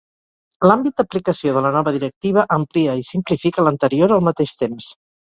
L'àmbit d'aplicació de la nova directiva amplia i simplifica l’anterior al mateix temps.